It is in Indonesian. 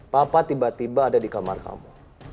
papa tiba tiba ada di kamar kamu